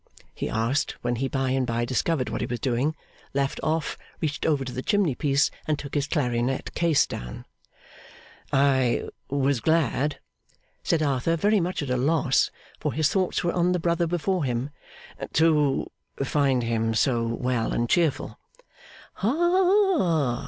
he asked, when he by and by discovered what he was doing, left off, reached over to the chimney piece, and took his clarionet case down. 'I was glad,' said Arthur, very much at a loss, for his thoughts were on the brother before him; 'to find him so well and cheerful.' 'Ha!